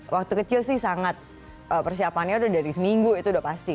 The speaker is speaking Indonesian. waktu kecil sih sangat persiapannya udah dari seminggu itu udah pasti